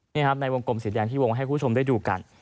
นี่ครับในวงกลมสีแดงที่วงให้คุณผู้ชมได้ดูกัน